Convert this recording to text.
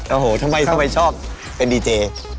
โอ้โหทำไมชอบเป็นดีเจ